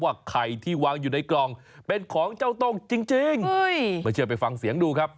ไข่ที่วางอยู่ในกล่องเป็นของเจ้าต้งจริงไม่เชื่อไปฟังเสียงดูครับ